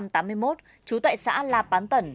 trú tại xã la bán tẩn